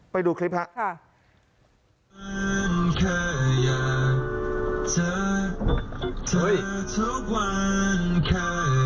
ไปดูคลิปฮะ